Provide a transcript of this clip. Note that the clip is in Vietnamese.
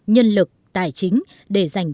nhân lực tài chính để giành